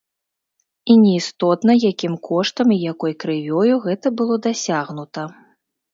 І неістотна, якім коштам і якой крывёю гэта было дасягнута.